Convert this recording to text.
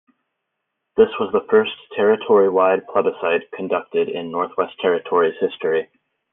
This was the first territory wide plebiscite conducted in Northwest Territories history.